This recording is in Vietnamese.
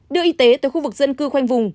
đưa y tế tới khu vực dân cư khoanh vùng